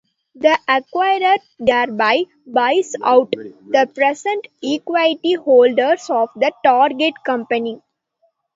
The acquiror thereby "buys out" the present equity holders of the target company.